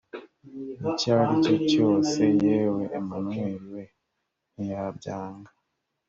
icyo aricyo cyose yewe emanweli we ntiyabyanga